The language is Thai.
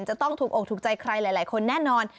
จะต้องถูกอกถูกใจใครหลายคนแน่นอน